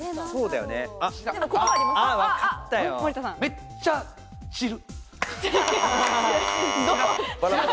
めっちゃ散る。